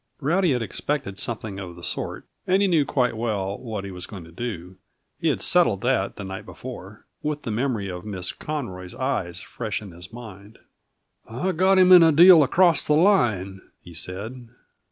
Rowdy had expected something of the sort, and he knew quite well what he was going to do; he had settled that the night before, with the memory of Miss Conroy's eyes fresh in his mind. "I got him in a deal across the line," he said.